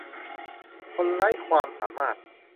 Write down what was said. คนไร้ความสามารถ